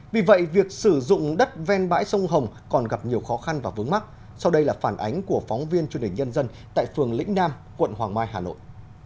vì vậy việc sử dụng đất ven bãi sông hồng còn gặp nhiều khó khăn và vướng mắc sau đây là phản ánh của phóng viên truyền hình nhân dân tại phường lĩnh nam quận hoàng mai hà nội